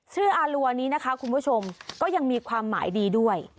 อารัวนี้นะคะคุณผู้ชมก็ยังมีความหมายดีด้วย